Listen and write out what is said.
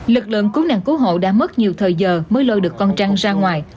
lực lượng cứu nạn cứu hộ đã mất nhiều thời giờ mới lôi được con trăn ra ngoài